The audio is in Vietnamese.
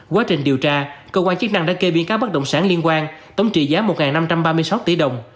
quá trình điều tra cơ quan chức năng đã kê biên cáo bất động sản liên quan tổng trị giá một năm trăm ba mươi sáu tỷ đồng